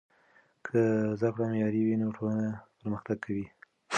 که زده کړه معیاري وي نو ټولنه پرمختګ کوي.